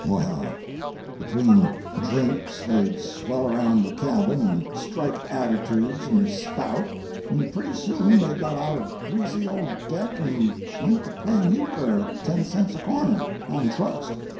Well, between drinks they'd swell around the cabin and strike attitudes and spout; and pretty soon they got out a greasy old deck and went to playing euchre at ten cents a corner—on trust.